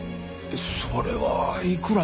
それはいくらなんでも。